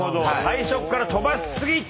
最初から飛ばし過ぎた。